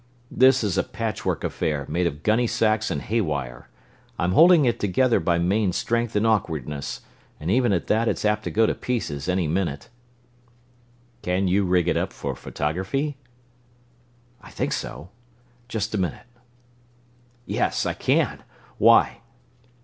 "This is a patchwork affair, made of gunny sacks and hay wire. I'm holding it together by main strength and awkwardness, and even at that it's apt to go to pieces any minute." "Can you rig it up for photography?" "I think so. Just a minute yes, I can. Why?"